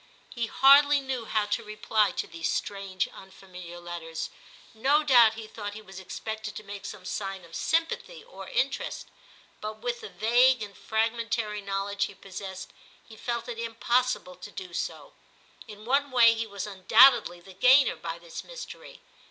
He hardly knew how to reply to these strange unfamiliar 224 TIM CHAP. letters ; no doubt he thought he was expected to make some sign of sympathy or interest, but with the vague and fragmentary know ledge he possessed, he felt it impossible to do so. In one way he was undoubtedly the gainer by this mystery.